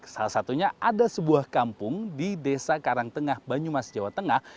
salah satunya ada sebuah kampung di desa karangtengah banyumas jawa tengah